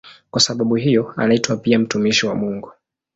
Kwa sababu hiyo anaitwa pia "mtumishi wa Mungu".